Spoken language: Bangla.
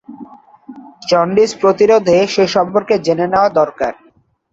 জন্ডিস প্রতিরোধে সে সম্পর্ক জেনে নেওয়া দরকার।